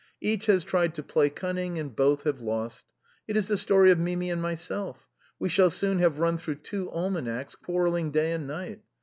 Each has tried to play cunning, and both have lost. It is the story of Mimi and myself. We shall soon have run through two almanacs quarreling day and night.